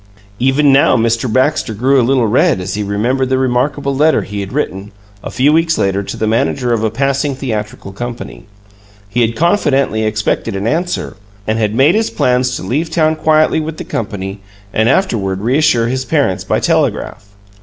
Even now Mr. Baxter grew a little red as he remembered the remarkable letter he had written, a few weeks later, to the manager of a passing theatrical company. He had confidently expected an answer, and had made his plans to leave town quietly with the company and afterward reassure his parents by telegraph.